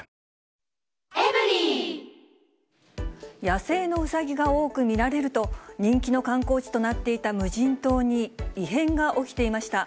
野生のウサギが多く見られると、人気の観光地となっていた無人島に、異変が起きていました。